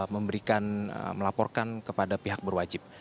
memberikan melaporkan kepada pihak berwajib